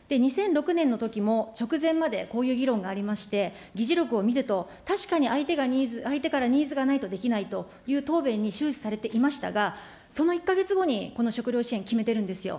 ２００６年のときも、直前までこういう議論がありまして、議事録を見ると、確かに相手からニーズがないとできないという答弁に終始されていましたが、その１か月後にこの食糧支援、決めてるんですよ。